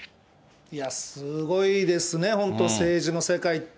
いや、すごいですね、本当、政治の世界って。